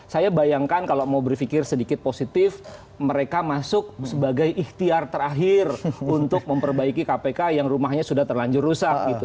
saya bayangkan kalau mau berpikir sedikit positif mereka masuk sebagai ikhtiar terakhir untuk memperbaiki kpk yang rumahnya sudah terlanjur rusak gitu